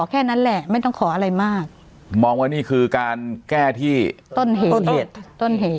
แค่นั้นแหละไม่ต้องขออะไรมากมองว่านี่คือการแก้ที่ต้นเหตุต้นเหตุ